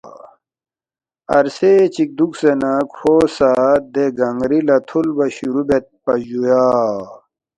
عرصے چِک دُوکسے نہ کھو سہ دے گنگ ری لہ تُھولبا شروع بیدپا جُویا